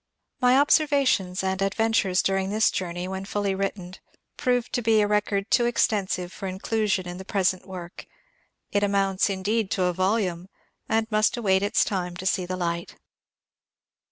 My observations and ad ventures during this journey, when fully written, proved to be a record too extensive for inclusion in the present work ; it amounts indeed to a volume, and must await its time to see the light.